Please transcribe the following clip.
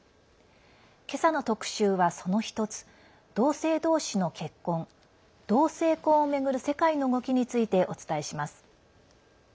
今朝の特集は、その１つ同性同士の結婚＝同性婚を巡る世界の動きについてお伝えします。